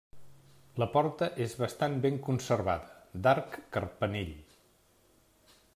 La porta és bastant ben conservada, d'arc carpanell.